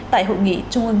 tại hội nghị trung ương năm